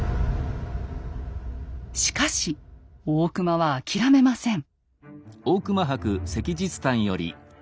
しかし大隈は諦めません。